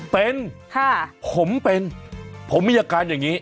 เป็นผมเป็นผมมีอาการอย่างนี้